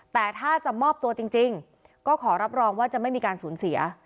แต่ถ้าจะมอบตัวจริงก็ขอรับรองว่าจะไม่มีการสูญเสีย